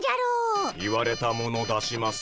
言われたもの出します。